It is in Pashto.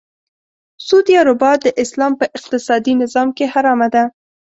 سود یا ربا د اسلام په اقتصادې نظام کې حرامه ده .